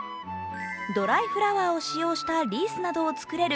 ドライフラワーを使用したリースなどを作れる